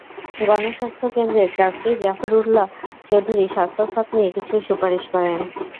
গণস্বাস্থ্য কেন্দ্রের ট্রাস্টি জাফরুল্লাহ চৌধুরী স্বাস্থ্য খাত নিয়ে কিছু সুপারিশ করেন।